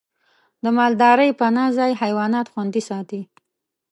د مالدارۍ پناه ځای حیوانات خوندي ساتي.